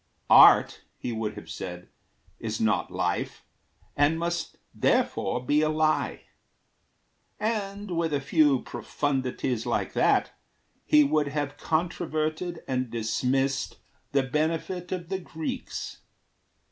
`Art,' he would have said, `Is not life, and must therefore be a lie;' And with a few profundities like that He would have controverted and dismissed The benefit of the Greeks.